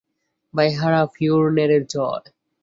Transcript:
ভাই-হারা ফিওরনেরের জয়!